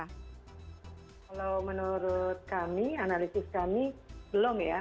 kalau menurut kami analisis kami belum ya